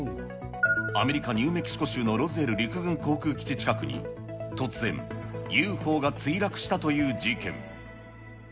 アメリカ・ニューメキシコ州のロズウェル陸軍航空基地近くに、突然、ＵＦＯが墜落したという事件。